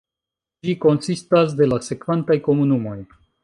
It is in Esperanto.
Ĝi konsistas de la sekvantaj komunumoj.